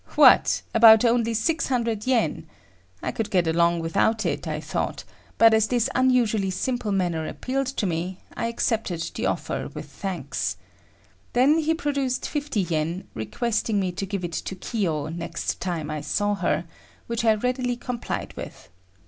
What! about only 600 yen! I could get along without it, I thought, but as this unusually simple manner appealed to me, I accepted the offer with thanks. Then he produced 50 yen, requesting me to give it to Kiyo next time I saw her, which I readily complied with.